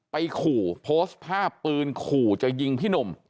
ไปขู่โพสต์ภาพปืนขู่จะยิงพี่หนุ่ม